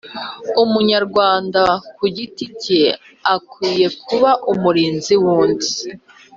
umunyarwanda ku giti ke akwiye kuba umurinzi wundi